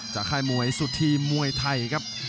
ค่ายมวยสุธีมวยไทยครับ